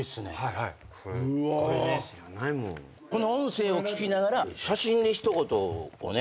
この音声を聞きながら写真で一言をね。